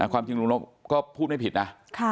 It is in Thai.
ความจริงลุงนบก็พูดไม่ผิดนะ